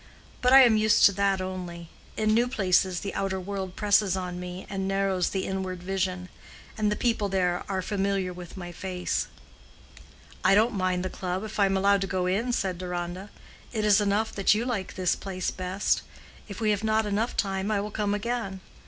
But I am used to that only. In new places the outer world presses on me and narrows the inward vision. And the people there are familiar with my face." "I don't mind the club if I am allowed to go in," said Deronda. "It is enough that you like this place best. If we have not enough time I will come again.